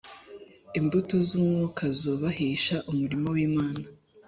Imbuto z’ umwuka zubahisha umurimo w’Imana